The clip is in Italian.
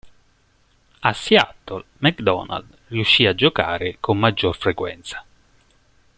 A Seattle, McDonald riuscì a giocare con maggior frequenza.